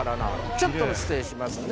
ちょっと失礼しますね。